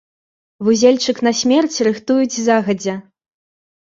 Вузельчык на смерць рыхтуюць загадзя.